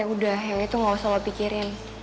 udah yang itu gak usah lah pikirin